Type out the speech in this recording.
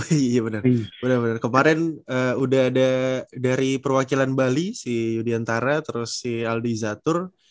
iya bener kemarin udah ada dari perwakilan bali si yudiantara terus si aldi izatur